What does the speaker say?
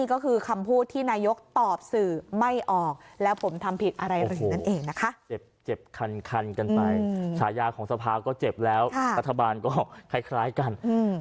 ออกแล้วผมทำผิดอะไรหรือนั่นเองนะคะเจ็บเจ็บคันคันกันไปฉายากของสภาก็เจ็บแล้วอัฐบาลก็คล้ายคล้ายกัน